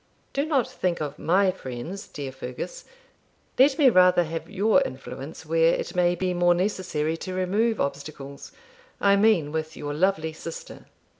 Do not think of MY friends, dear Fergus; let me rather have your influence where it may be more necessary to remove obstacles I mean with your lovely sister.'